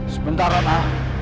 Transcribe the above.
kau bertahanlah ratna